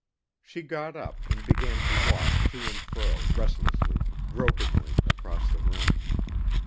She got up and began to walk to and fro restlessly, gropingly across the room.